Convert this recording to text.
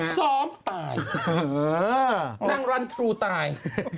ซ้อมตายนางรันทรูตาย